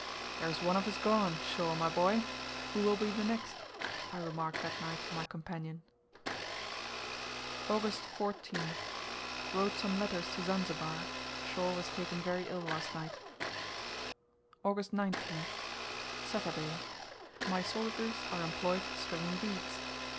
"There is one of us gone, Shaw, my boy! Who will be the next?" I remarked that night to my companion. August 14th. Wrote some letters to Zanzibar. Shaw was taken very ill last night. August 19th. Saturday. My soldiers are employed stringing beads.